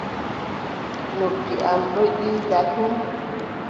Noppi am don iida tum.